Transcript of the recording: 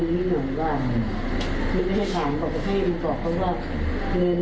เห็นจากผู้หญิงหรือผู้ยาเลย